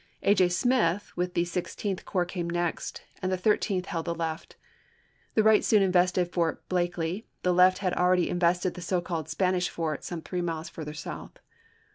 A. J. Smith with the Sixteenth Corps came next, and the Thirteenth held the left. The right soon invested Fort Blakely ; the left had already invested the so called Spanish Fort some three miles further south.